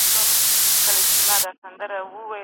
ځان غوښتلې مړينه د ناهيلۍ پايله ده.